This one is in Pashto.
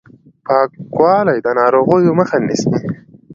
پاکوالی د ناروغیو مخه نیسي